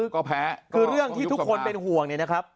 ก็แพ้คือเรื่องที่ทุกคนเป็นห่วงเนี่ยนะครับ